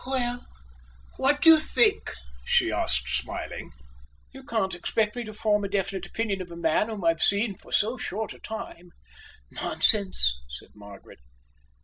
"Well, what do you think?" she asked, smiling. "You can't expect me to form a definite opinion of a man whom I've seen for so short a time." "Nonsense!" said Margaret.